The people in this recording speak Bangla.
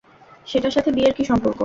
সেটার সাথে বিয়ের কি সম্পর্ক?